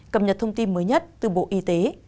cập nhật thông tin mới nhất từ bộ y tế